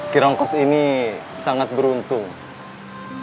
kirongkos ini sangat beruntung